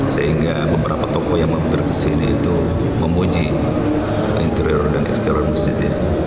sehingga beberapa toko yang memperkesini itu memuji interior dan eksternal masjid